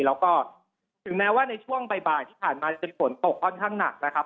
แล้วก็ถึงแนว้าในช่วงบ่ายที่ผ่านมาจนฝนตกก็น่ะครับ